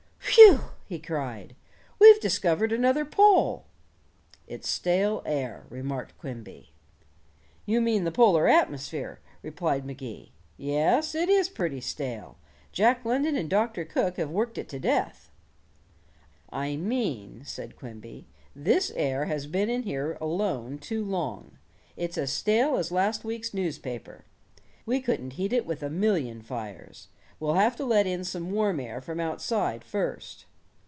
"Whew," he cried, "we've discovered another Pole!" "It's stale air," remarked Quimby. "You mean the Polar atmosphere," replied Magee. "Yes, it is pretty stale. Jack London and Doctor Cook have worked it to death." "I mean," said Quimby, "this air has been in here alone too long. It's as stale as last week's newspaper. We couldn't heat it with a million fires. We'll have to let in some warm air from outside first."